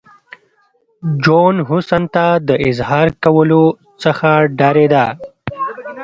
جون حسن ته د اظهار کولو څخه ډارېده